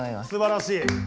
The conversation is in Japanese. すばらしい。